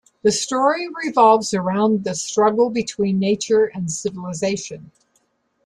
The story revolves around the struggle between nature and civilization.